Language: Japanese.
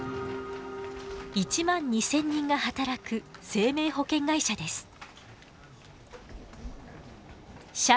１万２，０００人が働く生命保険会社です。